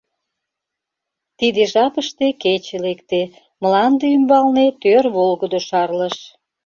Тиде жапыште кече лекте, мланде ӱмбалне тӧр волгыдо шарлыш.